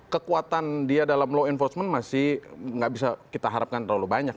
kekuatan dia dalam law enforcement masih nggak bisa kita harapkan terlalu banyak